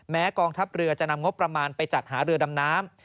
กองทัพเรือจะนำงบประมาณไปจัดหาเรือดำน้ำ